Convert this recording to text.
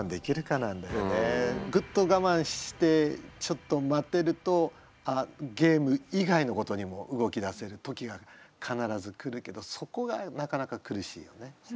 グッと我慢してちょっと待てるとゲーム以外のことにも動きだせる時が必ず来るけどそこがなかなか苦しいよね。